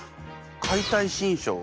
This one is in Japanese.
「解体新書」を。